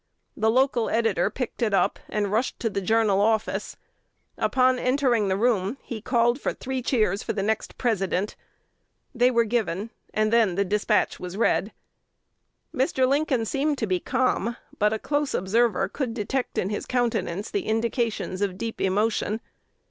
The local editor picked it up, and rushed to "The Journal" office. Upon entering the room, he called for three cheers for the next President. They were given, and then the despatch was read. Mr. Lincoln seemed to be calm, but a close observer could detect in his countenance the indications of deep emotion.